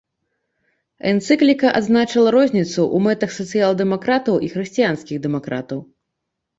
Энцыкліка адзначыла розніцу ў мэтах сацыял-дэмакратаў і хрысціянскіх дэмакратаў.